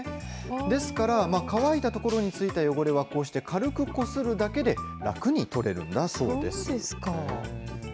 ですから、乾いた所についた汚れは、こうして軽くこするだけで楽に取れるんだそうです。